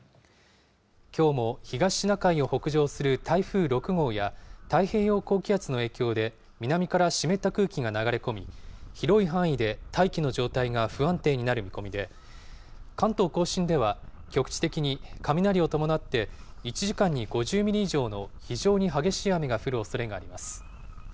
きょうも東シナ海を北上する台風６号や、太平洋高気圧の影響で南から湿った空気が流れ込み、広い範囲で大気の状態が不安定になる見込みで、関東甲信では局地的に雷を伴って、１時間に５０ミリ以上の非常に激しい雨が降るおそれがあります。